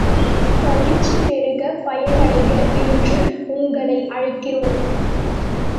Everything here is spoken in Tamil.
பயிற்சி பெறுக, பயனடைக, என்றும் உங்களை அழைக்கிறோம்.